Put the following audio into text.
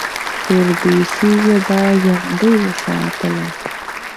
فردوسي ژبه ژوندۍ وساتله.